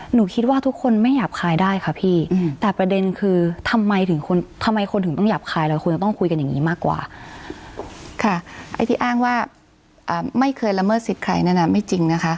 หนูคิดว่าทุกคนไม่หยาบคายได้ค่ะพี่แต่ประเด็นคือทำไมถึงคนทำไมคนถึงต้องหยาบคายเราควรจะต้องคุยกันอย่างนี้มากกว่าค่ะไอ้ที่อ้างว่าไม่เคยละเมิดสิทธิ์ใครนั้นน่ะไม่จริงนะคะ